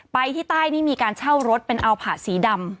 ไปที่ใต้นี่มีการเช่ารถเป็นอัลผาดสีดำ